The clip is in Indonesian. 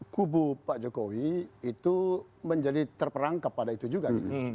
kubu pak jokowi itu menjadi terperangkap pada itu juga gitu